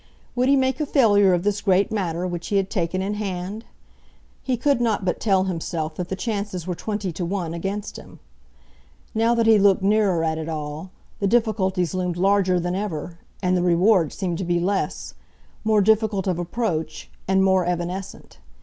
Would he make a failure of this great matter which he had taken in hand? He could not but tell himself that the chances were twenty to one against him. Now that he looked nearer at it all, the difficulties loomed larger than ever, and the rewards seemed to be less, more difficult of approach, and more evanescent.